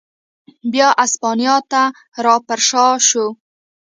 بیا اسپانیا ته را پرشا شو.